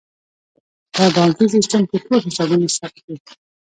په بانکي سیستم کې ټول حسابونه ثبت وي.